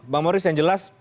bang maurice yang jelas